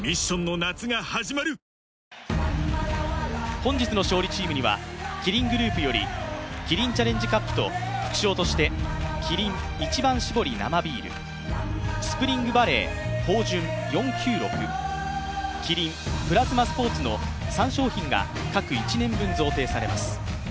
本日の勝利チームにはキリングループよりキリンチャレンジカップと副賞としてキリン一番搾り生ビールＳＰＲＩＮＧＶＡＬＬＥＹ豊潤４９６キリンプラズマスポーツの３賞品が各１年分、贈呈されます。